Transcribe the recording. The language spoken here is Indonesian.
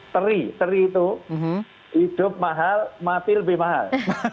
teri teri itu hidup mahal mati lebih mahal